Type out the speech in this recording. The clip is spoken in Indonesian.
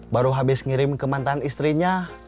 baru habis ngirim ke mantan istrinya